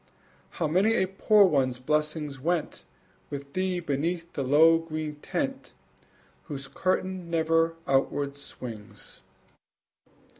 How many a poor one's blessing went With thee beneath the low green tent Whose curtain never outward swings!